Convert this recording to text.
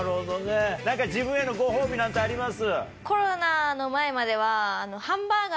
何か自分へのご褒美なんてあります？